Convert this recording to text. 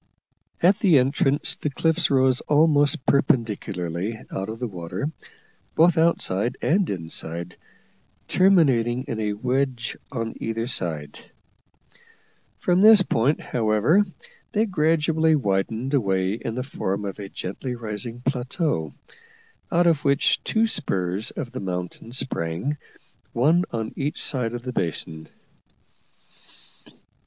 At the entrance the cliffs rose almost perpendicularly out of the water, both outside and inside, terminating in a wedge on either side. From this point, however, they gradually widened away in the form of a gently rising plateau, out of which two spurs of the mountain sprang, one on each side of the basin.